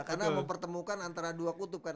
karena mempertemukan antara dua kutub kan